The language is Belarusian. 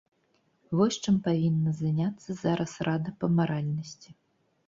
Вось чым павінна заняцца зараз рада па маральнасці!